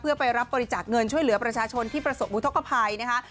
เพื่อไปรับบริจาคเงินช่วยเหลือประชาชนที่ประสบอุทธกภัยนะคะ